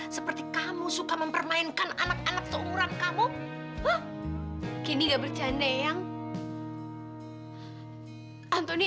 sampai jumpa di video selanjutnya